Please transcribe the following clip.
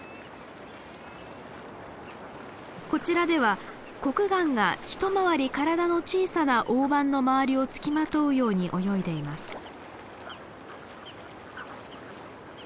こちらではコクガンが一回り体の小さなオオバンの周りを付きまとうように泳いでいます。